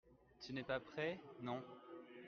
Tu n'es pas prêt ? Non.